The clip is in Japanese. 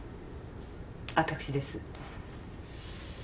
私です。